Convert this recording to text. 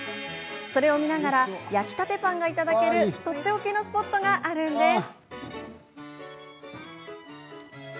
それを見ながら焼きたてパンがいただける、とっておきのスポットがあるんです。